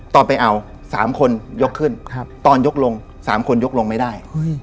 ตอนไปเอา๓คนยกขึ้นตอนยกลง๓คนยกลงไม่ได้